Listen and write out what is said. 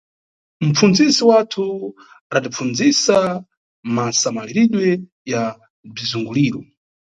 Mʼpfundzisi wathu adatipfundzisa masamaliridwe ya bzizunguliro.